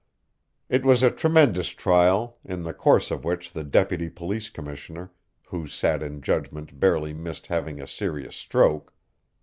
It was a tremendous trial, in the course of which the Deputy Police Commissioner who sat in judgment barely missed having a serious stroke.